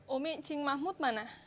umi cing mahmud mana